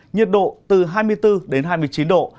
nhiệt độ từ hai mươi bốn đến hai mươi chín độ